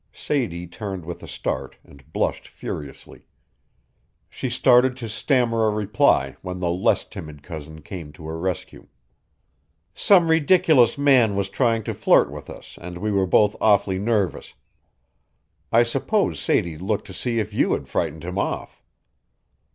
Sadie turned with a start and blushed furiously. She started to stammer a reply when the less timid cousin came to her rescue. "Some ridiculous man was trying to flirt with us and we were both awfully nervous. I suppose Sadie looked to see if you had frightened him off."